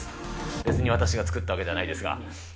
別に私が作ったわけじゃないですが。